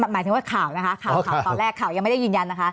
หมายถึงว่าข่าวนะคะข่าวตอนแรกข่าวยังไม่ได้ยืนยันนะคะ